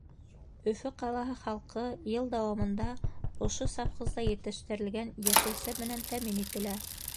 Өфө ҡалаһы халҡы йыл дауамында ошо совхозда етештерелгән йәшелсә менән тәьмин ителә.